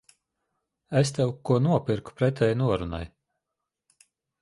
Es tev ko nopirku pretēji norunai.